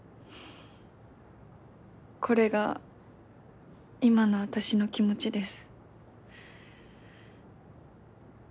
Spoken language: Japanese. これが今の私の気持ちです。